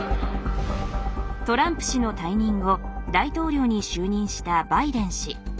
トランプ氏の退任後大統領に就任したバイデン氏。